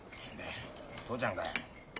父ちゃんか。